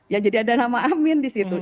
ya jadi ada nama amin di situ